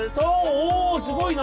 おすごいな。